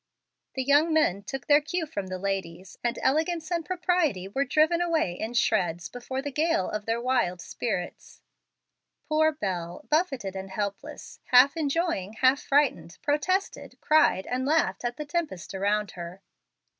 The young men took their cue from the ladies, and elegance and propriety were driven away in shreds before the gale of their wild spirits. Poor Bel, buffeted and helpless, half enjoying, half frightened, protested, cried, and laughed at the tempest around her.